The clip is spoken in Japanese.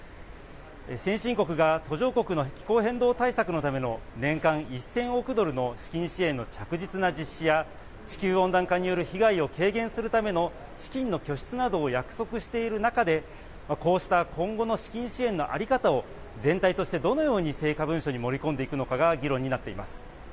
先進国が途上国の気候変動対策のための年間１０００億ドルの資金支援の着実な実施や、地球温暖化による被害を軽減するための資金の拠出などを約束している中で、こうした今後の資金支援の在り方を、全体としてどのように成果文書に盛り込んでいくのかが議論になっています。